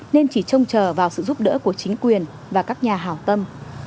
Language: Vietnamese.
nên chỉ trông chờ vào sự giúp đỡ của chính quyền và các nhà hào tâm